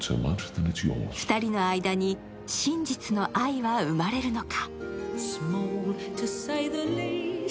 ２人の間に真実の愛は生まれるのか。